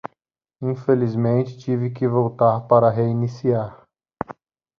Infelizmente, tive que voltar para reiniciar.